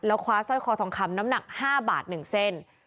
คว้าสร้อยคอทองคำน้ำหนัก๕บาท๑เส้น